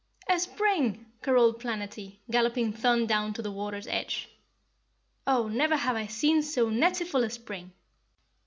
"A spring!" caroled Planetty, galloping Thun down to the water's edge. "Oh, never have I seen so netiful a spring!"